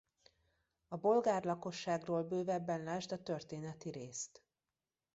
A bolgár lakosságról bővebben lásd a történeti részt.